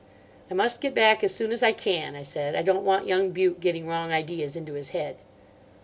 "I must get back as soon as I can," I said. "I don't want young Bute getting wrong ideas into his head."